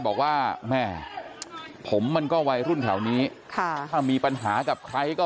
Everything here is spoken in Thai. บอกว่าแม่ผมมันก็วัยรุ่นแถวนี้ค่ะถ้ามีปัญหากับใครก็